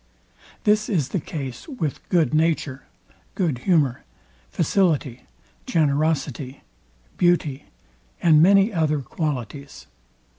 This is the case with good nature, good humour, facility, generosity, beauty, and many other qualities.